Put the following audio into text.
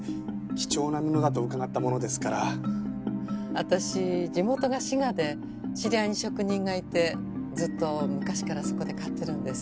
私地元が滋賀で知り合いに職人がいてずっと昔からそこで買ってるんです。